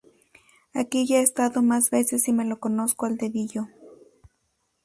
Aquí ya he estado más veces y me lo conozco al dedillo